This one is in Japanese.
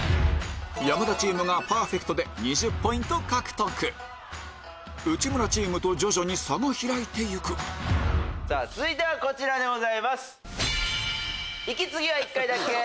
山田チームがパーフェクトで２０ポイント獲得内村チームと徐々に差が開いてゆく続いてはこちらでございます。